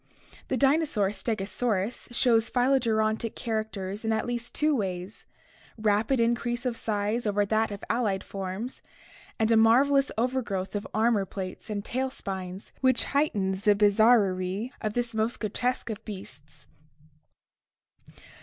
The dinosaur Stegosaurus (see Chapter XXXI) shows phylogerontic characters in at least two ways — rapid increase of size over that of allied forms, and a mar velous overgrowth of armor plates and tail spines which heightens the bizarrerie of this most grotesque of beasts.